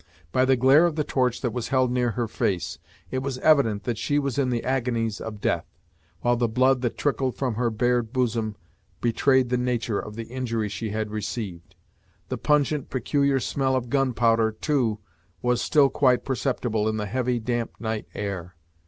By the glare of the torch that was held near her face, it was evident that she was in the agonies of death, while the blood that trickled from her bared bosom betrayed the nature of the injury she had received. The pungent, peculiar smell of gunpowder, too, was still quite perceptible in the heavy, damp night air.